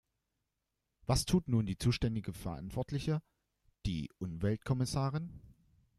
Was tut nun die zuständige Verantwortliche, die Umweltkommissarin?